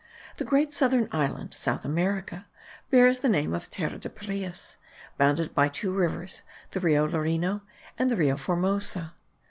The great southern island (South America) bears the name of Terra de Pareas, bounded by two rivers, the Rio Lareno and the Rio Formoso.